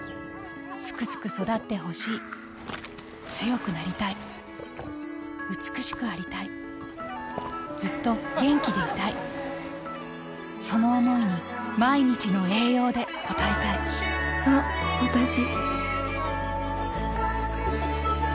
スクスク育ってほしい強くなりたい美しくありたいずっと元気でいたいその想いに毎日の栄養で応えたいあっわたし。